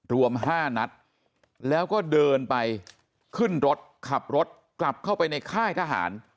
รวม๕นัดแล้วก็เดินไปขึ้นรถขับรถกลับเข้าไปในค่ายทหาร